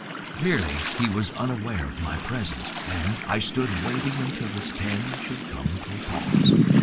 Clearly he was unaware of my presence, and I stood waiting until his pen should come to a pause.